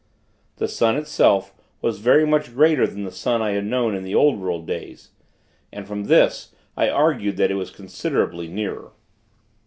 The sun, itself, was very much greater than the sun I had known in the old world days; and, from this, I argued that it was considerably nearer.